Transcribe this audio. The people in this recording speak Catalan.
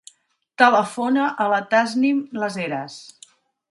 Telefona a la Tasnim Las Heras.